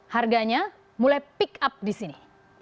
harganya mulai pick up di sini